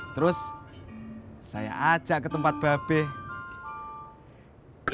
terus saya ajak ke tempat babih